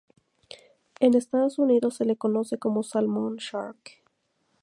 En Estados Unidos se le conoce como salmon shark.